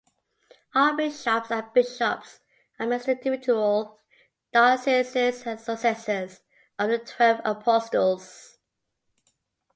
Archbishops and bishops administer individual dioceses as successors of the twelve apostles.